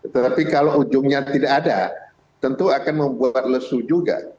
tetapi kalau ujungnya tidak ada tentu akan membuat lesu juga